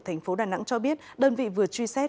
thành phố đà nẵng cho biết đơn vị vừa truy xét